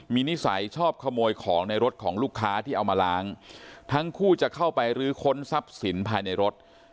มีนิสัยชอบขโมยของในรถของลูกค้าที่เอามาล้างทั้งคู่จะเข้าไปรื้อค้นทรัพย์สินภายในรถ